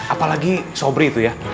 apalagi sobri itu ya